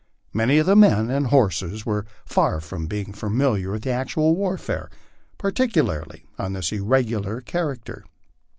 Many of the men and horses were far from being familiar with aot.ua! warfare, particularly of this irregular charac ter.